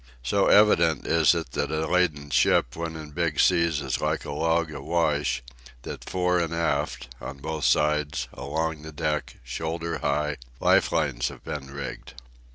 So evident is it that a laden ship when in big seas is like a log awash, that fore and aft, on both sides, along the deck, shoulder high, life lines have been rigged.